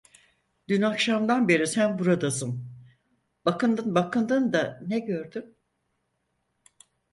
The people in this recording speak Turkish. Dün akşamdan beri sen buradasın, bakındın bakındın da ne gördün?